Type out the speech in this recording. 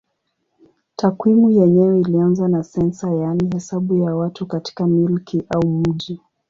Takwimu yenyewe ilianza na sensa yaani hesabu ya watu katika milki au mji.